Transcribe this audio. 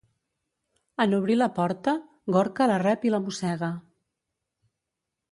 En obrir la porta, Gorca la rep i la mossega.